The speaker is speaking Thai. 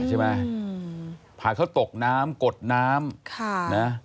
ถ่ายเขาตกน้ำกดน้ำ